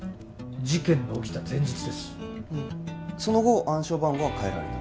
事件の起きた前日ですその後暗証番号は変えられた？